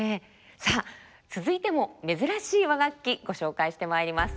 さあ続いても珍しい和楽器ご紹介してまいります。